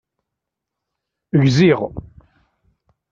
Gziɣ.